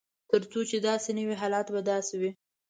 تر څو چې داسې نه وي حالات به همداسې وي.